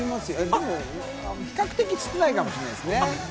でも比較的、少ないかもしれないですね。